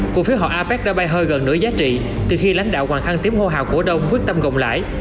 cổ phiếu họ apec đã bay hơi gần nửa giá trị từ khi lãnh đạo hoàng khăn tiếp hô hào cổ đông quyết tâm gồng lãi